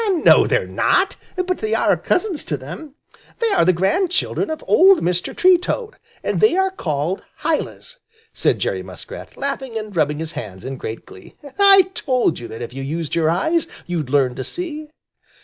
"No, they're not, but they are own cousins to them; they are the grandchildren of old Mr. Tree Toad! and they are called Hylas!" said Jerry Muskrat, laughing and rubbing his hands in great glee. "I told you that if you used your eyes, you'd learn to see."